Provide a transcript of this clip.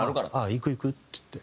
「行く行く」って言って。